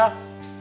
tahan abang ya